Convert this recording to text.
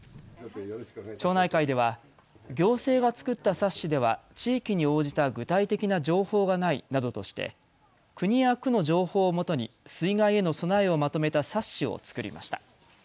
町内会では行政が作った冊子では地域に応じた具体的な情報がないなどとして国や区の情報をもとに水害への備えをまとめた冊子を作りました。